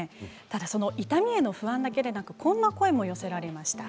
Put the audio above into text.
ただ痛みへの不安だけでなくこんな声も寄せられました。